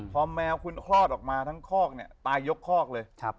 พอแมวคุณคลอดออกมาทั้งคอกเนี่ยตายยกคอกเลย